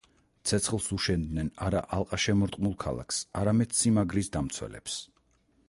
ცეცხლს უშენდნენ არა ალყაშემორტყმულ ქალაქს, არამედ სიმაგრის დამცველებს.